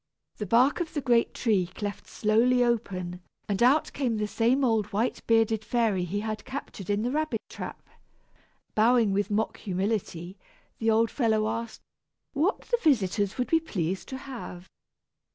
The bark of the great tree cleft slowly open, and out came the same old white bearded fairy he had captured in the rabbit trap. Bowing with mock humility, the old fellow asked what his visitors would be pleased to have.